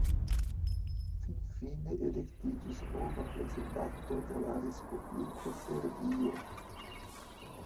Finfine elektiĝis nova prezidanto de la respubliko Serbio.